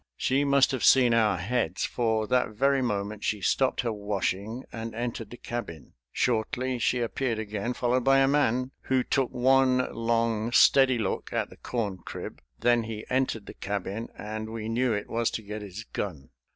She must have seen our heads, for that very moment she stopped her washing and entered the cabin. Shortly she appeared again, followed by a man, who took one long steady look at the corn crib; then he entered the cabin, and we knew it was to get his gun.